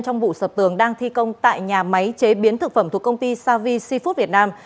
trong vụ sập tường đang thi công tại nhà máy chế biến thực phẩm thuộc công ty savi food việt nam